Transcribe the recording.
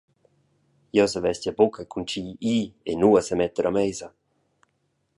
Jeu savess gie buca cun tgi ir e nua semetter a meisa.